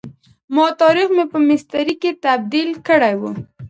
ما تاریخ مې په میسترې کي تبد یل کړی وو.